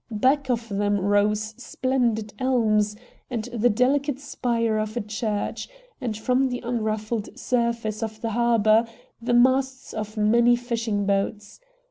Back of them rose splendid elms and the delicate spire of a church, and from the unruffled surface of the harbor the masts of many fishing boats.